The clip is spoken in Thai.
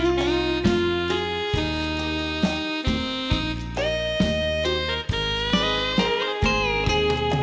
สู้ค่ะพี่หอ